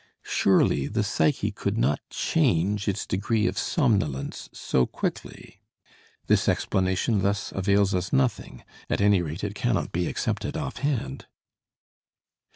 Surely the psyche could not change its degree of somnolence so quickly. This explanation thus avails us nothing; at any rate, it cannot be accepted offhand.